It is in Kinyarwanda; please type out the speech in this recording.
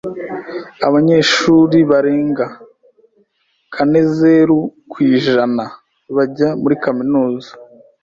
Abanyeshuri barenga kanezeru ku ijana bajya muri kaminuza.